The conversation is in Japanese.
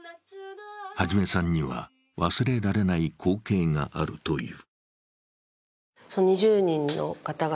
元さんには忘れられない光景があるという。